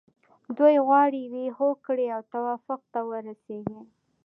دوی غواړي یوې هوکړې او توافق ته ورسیږي.